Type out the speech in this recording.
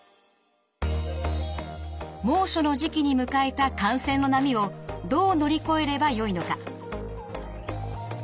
猛暑の時期に迎えた感染の波をどう乗りこえればよいのか？